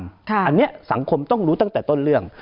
อันนี้สังคมต้องรู้ตั้งแต่ต้นเรื่อง